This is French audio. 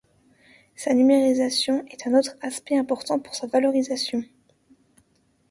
Sa numérisation est un autre aspect important pour sa valorisation.